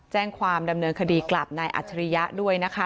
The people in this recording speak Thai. แจ้งความดำเนินคดีกลับนายอัจฉริยะด้วยนะคะ